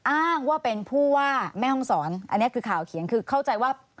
อ้างว่าเป็นผู้ว่าแม่ห้องศรอันนี้คือข่าวเขียนคือเข้าใจว่า